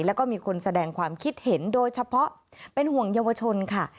แล้วก็มีคนแสดงความคิดเห็นโดยเฉพาะเป็นห่วงเยาวชนค่ะ